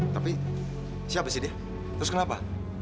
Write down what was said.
tapi siapa sih dia terus kenapa